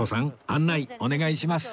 案内お願いします